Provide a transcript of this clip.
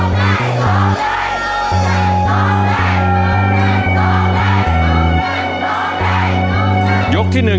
โทษให้โทษให้โทษให้โทษให้